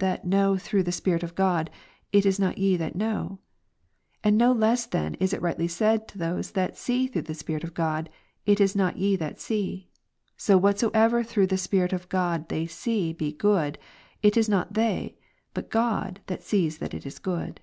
309 that know through the Sph'it of God, * It is not ye that know/ And no less then is it rightly said to those that see through the Spirit of God/ It is not ye that see ;' so what soever through the Spirit of God they see to he good, it is not they, hut God that sees that it is good."